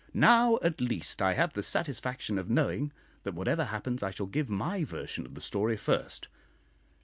Now, at least, I have the satisfaction of knowing that whatever happens I shall give my version of the story first.